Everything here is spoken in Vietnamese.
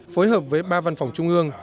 phối hợp với ba văn phòng trung ương